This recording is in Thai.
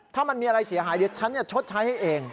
ถ้ามันมีอะไรเสียหายเดี๋ยวฉันจะชดใช้ให้เอง